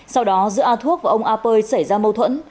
sau đó giữa a thuốc và ông a pơi xảy ra mâu thuẫn